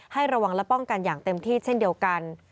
ให้ระวังและป้องกันอย่างเต็มที่เช่นเดียวกัน